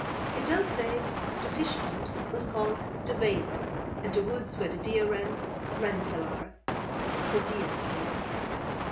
In those days the fish pond was called the Vijver, and the woods where the deer ran, Rensselaer, or the Deer's Lair.